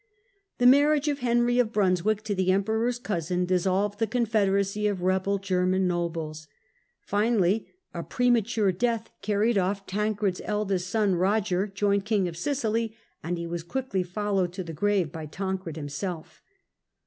The marriage of Henry of Brunswick to the Emperor's cousin dissolved the confederacy of rebel German nobles. Finally, a premature death carried off Tancred's eldest son Eoger, joint king of Sicily, and he was quickly followed to the grave by Tancred himself.